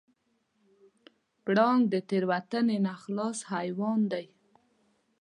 پړانګ د تېروتنې نه خلاص حیوان دی.